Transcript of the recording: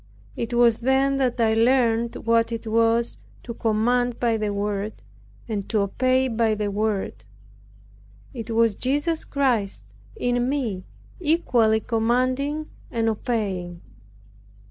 It was then that I learned what it was to command by the Word, and to obey by the Word. It was Jesus Christ in me equally commanding and obeying.